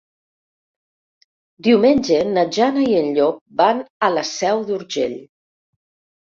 Diumenge na Jana i en Llop van a la Seu d'Urgell.